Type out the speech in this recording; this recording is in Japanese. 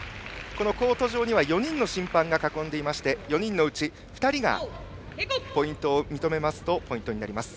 コート上は４人の審判が囲んでいまして４人のうち２人がポイントを認めますとポイントになります。